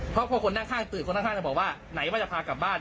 เพราะคนข้างตึกคนข้างจะบอกว่าไหนว่าจะพากลับบ้าน